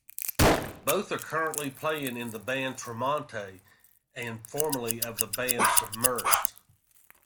Both are currently playing in the band Tremonti and formerly of the band Submersed.